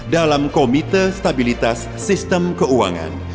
dalam komite stabilitas sistem keuangan